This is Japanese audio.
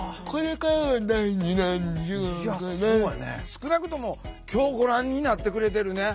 少なくとも今日ご覧になってくれてるね